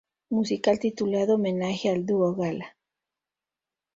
Musical", titulado "Homenaje al Dúo Gala".